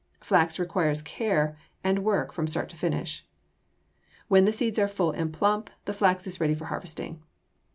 Flax requires care and work from start to finish. When the seeds are full and plump the flax is ready for harvesting.